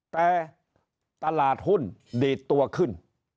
แต่ตลาดหุ้นดีดตัวขึ้น